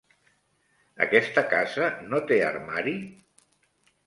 Aquesta casa no té armari?